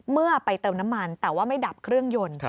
เมื่อไปเติมน้ำมันแต่ว่าไม่ดับเครื่องยนต์